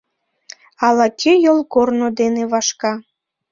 Ала-кӧ йолгорно дене вашка.